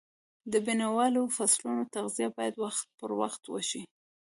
د بڼوالۍ د فصلونو تغذیه باید وخت پر وخت وشي.